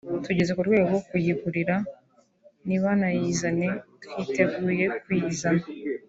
tugeze ku rwego rwo kuyigurira nibayizane twiteguye kuyizana